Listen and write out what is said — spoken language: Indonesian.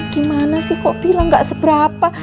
gimana sih kok bilang gak seberapa